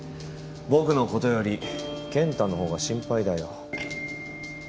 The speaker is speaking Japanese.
僕のことより健太の方が心配だよ。